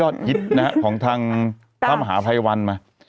นะฮะของทางพระมหาไพรวัลล์มา